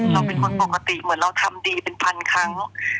เราเป็นคนปกติเหมือนเราทำดีเป็นพันครั้ง